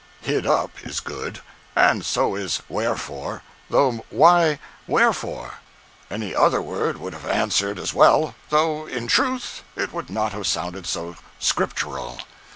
"Hid up" is good. And so is "wherefore"—though why "wherefore"? Any other word would have answered as well—though—in truth it would not have sounded so Scriptural.